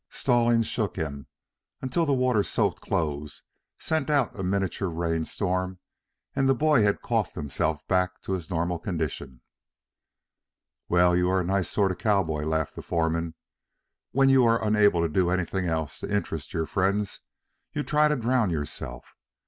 Stallings shook him until the water soaked clothes sent out a miniature rain storm and the boy had coughed himself back to his normal condition. "Well, you are a nice sort of cowboy," laughed the foreman. "When you are unable to do anything else to interest your friends, you try to drown yourself.